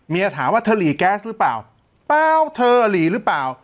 ถามว่าเธอหลีแก๊สหรือเปล่าเปล่าเธอหลีหรือเปล่า